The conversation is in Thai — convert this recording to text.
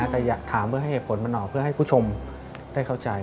แต่อยากถามเพื่อให้เหตุผลมันออกเพื่อให้ผู้ชมได้เข้าใจ